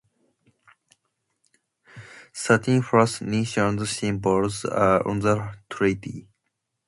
Thirteen First Nations symbols are on the treaty.